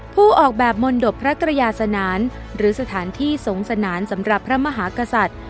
ผู้ออกแบบมนตบพระกรยาสนานหรือสถานที่สงสนานสำหรับพระมหากษัตริย์